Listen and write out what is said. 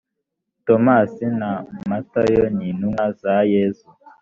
tomasi na matayo nintumwa zayezu.